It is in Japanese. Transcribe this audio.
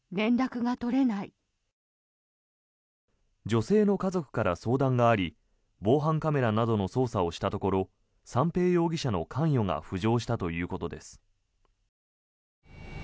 女性の家族から相談があり防犯カメラなどの捜査をしたところ三瓶容疑者の関与が浮上したということです。